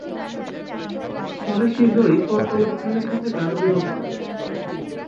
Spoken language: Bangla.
ফলে শীঘ্রই করতলব খানের সাথে তাঁর বিরোধ বাধে।